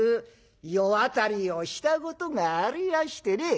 世渡りをしたことがありやしてね」。